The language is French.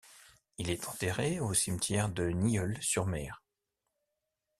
Il est enterré au cimetière de Nieul-sur-Mer.